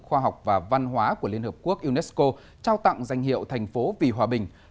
khoa học và văn hóa của liên hợp quốc unesco trao tặng danh hiệu thành phố vì hòa bình